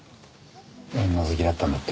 女好きだったんだって。